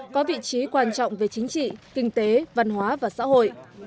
có vị trí quan trọng về chính trị kinh tế văn hóa và xã hội